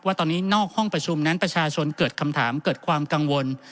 ว่าตอนนี้นอกห้องประชุมนั้นประชาชนเกิดคำถามเกิดความกังวล